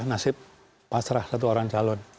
nasib pasrah satu orang calon